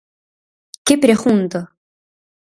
Que pregunta!